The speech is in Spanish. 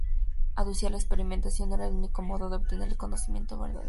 Aducía que la experimentación era el único modo de obtener el conocimiento verdadero.